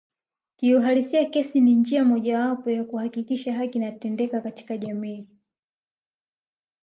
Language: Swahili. Kiuhalisia kesi ni njia mojawapo ya kuhakikisha haki inatendeka katika jamii